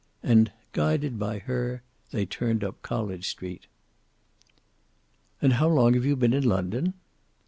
And guided by her they turned up College Street. "And how long have you been in London?"